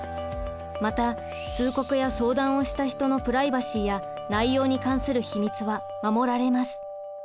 また通告や相談をした人のプライバシーや内容に関する秘密は守られます。